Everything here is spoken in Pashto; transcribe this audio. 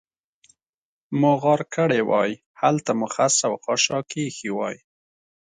مو غار کړې وای، هلته مو خس او خاشاک اېښي وای.